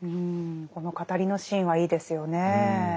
この語りのシーンはいいですよねえ。